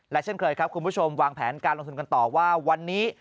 เช่นเคยครับคุณผู้ชมวางแผนการลงทุนกันต่อว่าวันนี้